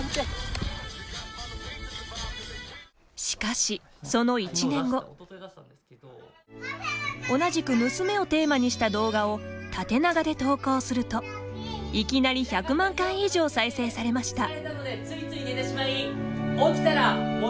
しかし、その１年後同じく娘をテーマにした動画を縦長で投稿するといきなり１００万回以上再生されました。